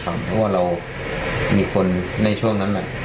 เพราะว่าเรามีคนในช่วงนั้น